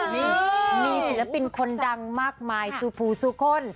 มีศิลปินคนดังมากมายสู่ผู้สู่คน